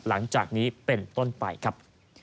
หลังจากนี้เป็นต้นไปครับ